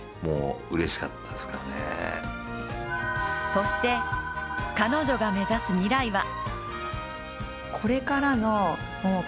そして、彼女が目指す未来は。